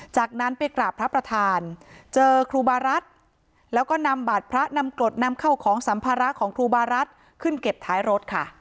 จากนั้นไปกราบพระประธานเจอครูบารัฐแล้วก็นำบาดพระนำกรดนำเข้าของสัมภาระของครูบารัฐขึ้นเก็บท้ายรถค่ะ